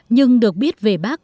nhưng được biết về bác